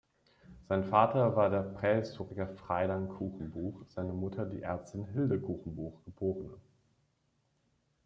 Sein Vater war der Prähistoriker Freidank Kuchenbuch, seine Mutter die Ärztin Hilde Kuchenbuch, geb.